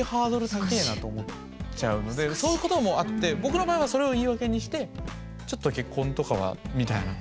難しい。と思っちゃうのでそういうこともあって僕の場合はそれを言い訳にしてちょっと結婚とかはみたいな。